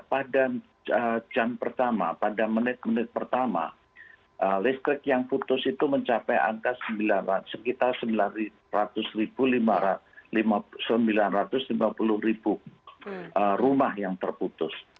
pada jam pertama pada menit menit pertama listrik yang putus itu mencapai sekitar sembilan ratus lima puluh ribu rumah yang terputus